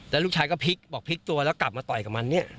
แล้วลูกชายก็พลิกบอกพลิกตัวแล้วกลับมาต่อยกับมันเนี่ย